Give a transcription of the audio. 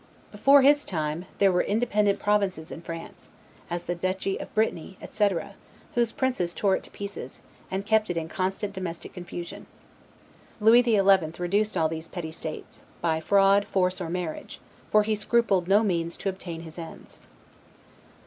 Before his time, there were independent provinces in France, as the Duchy of Brittany, etc., whose princes tore it to pieces, and kept it in constant domestic confusion. Lewis the Eleventh reduced all these petty states, by fraud, force, or marriage; for he scrupled no means to obtain his ends.